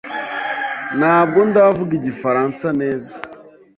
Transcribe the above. Ntabwo ndavuga Igifaransa neza.